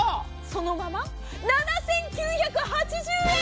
そのまま７９８０円。